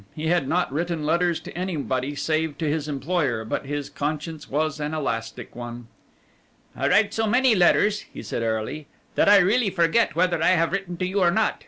He had not written letters to anybody save to his employer, but his conscience was an elastic one. "I write so many letters," he said airily, "that I really forget whether I have written to you or not.